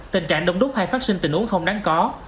tình trạng đông đúc hay phát sinh tình uống không đáng có